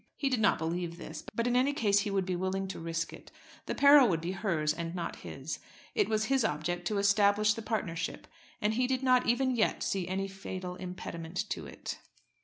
He did not believe this; but in any case he would be willing to risk it. The peril would be hers and not his. It was his object to establish the partnership, and he did not even yet see any fatal impediment to it.